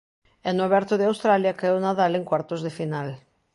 E no Aberto de Australia caeu Nadal en cuartos de final.